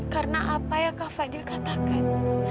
karena apa yang kak fadil katakan